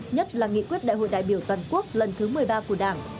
nhất là nghị quyết đại hội đại biểu toàn quốc lần thứ một mươi ba của đảng